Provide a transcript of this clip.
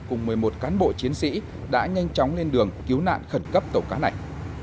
cùng một mươi một cán bộ chiến sĩ đã nhanh chóng lên đường cứu nạn khẩn cấp tàu cá này